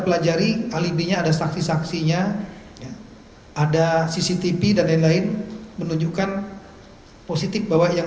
pelajari alibinya ada saksi saksinya ada cctv dan lain lain menunjukkan positif bahwa yang